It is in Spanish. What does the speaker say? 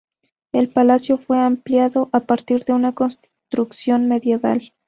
El palacio fue ampliado a partir de una construcción medieval.